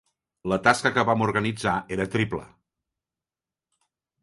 La tasca que vam organitzar era triple.